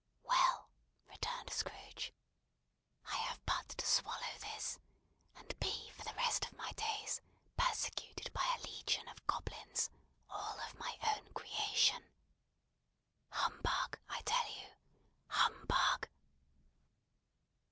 "Well!" returned Scrooge, "I have but to swallow this, and be for the rest of my days persecuted by a legion of goblins, all of my own creation. Humbug, I tell you! humbug!"